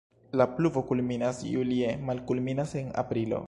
La pluvo kulminas julie, malkulminas en aprilo.